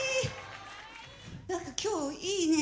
何か今日いいね。